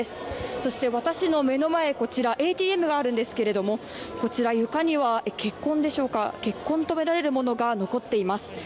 そして私の目の前ＡＴＭがあるんですけれども床には血痕とみられるものが残っています。